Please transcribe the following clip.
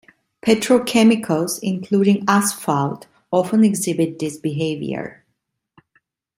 Petrochemicals, including asphalt, often exhibit this behavior.